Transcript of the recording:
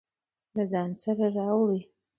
له ځان سره راوړئ.